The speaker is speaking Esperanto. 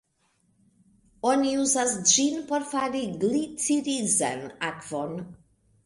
Oni uzas ĝin por fari glicirizan akvon.